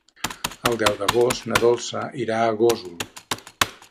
El deu d'agost na Dolça irà a Gósol.